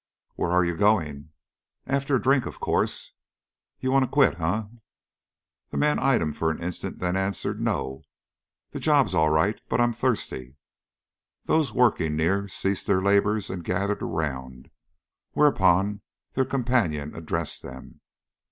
"Where are you going?" "After a drink, of course." "You want to quit, eh?" The man eyed him for an instant, then answered: "No! The job's all right, but I'm thirsty." Those working near ceased their labors and gathered around, whereupon their companion addressed them.